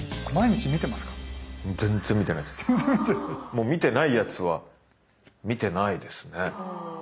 もうみてないやつはみてないですね。